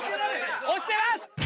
押してます！